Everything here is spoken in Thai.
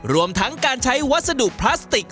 รวมทั้งการใช้วัสดุพลาสติก